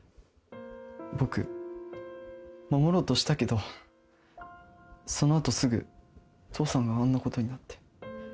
僕守ろうとしたけどその後すぐ父さんがあんなことになって。